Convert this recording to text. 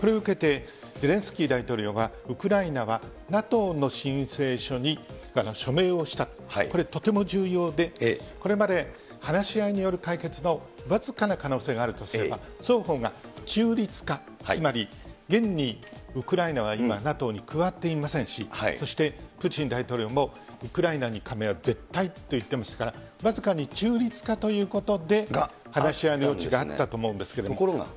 これを受けて、ゼレンスキー大統領はウクライナはＮＡＴＯの申請書に署名をしたと、これとても重要で、これまで話し合いによる解決の僅かな可能性があるとすれば、双方が中立化、つまり現にウクライナは今、ＮＡＴＯに加わっていませんし、そしてプーチン大統領もウクライナの加盟は絶対と言っていますから、僅かに中立化ということで話し合いの余地があったと思うんでところが。